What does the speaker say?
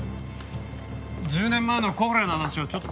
１０年前のコフレの話をちょっと。